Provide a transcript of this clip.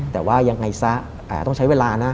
แต่ว่ายังไงซะต้องใช้เวลานะ